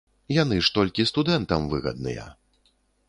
Яны ж толькі студэнтам выгадныя.